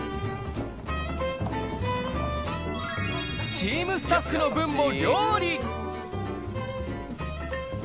チームスタッフの分も料理。